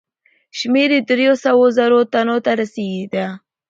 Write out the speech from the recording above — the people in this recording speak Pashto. شمېر یې دریو سوو زرو تنو ته رسېدی.